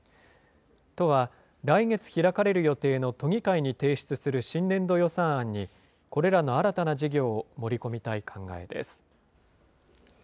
都は、来月開かれる予定の都議会に提出する新年度予算案に、これらの新たな事業を盛り込みたい考えです。